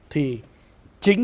thì chính là